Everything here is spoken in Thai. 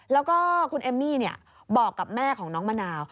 แล้วก็คุณเอมมี่บอกกับแม่ของน้องมะนาว